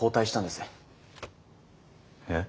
えっ。